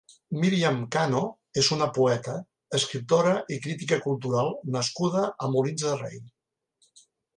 Míriam Cano és una poeta, escriptora i crítica cultural nascuda a Molins de Rei.